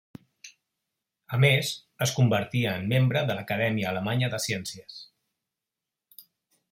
A més, es convertí en membre de l'Acadèmia Alemanya de Ciències.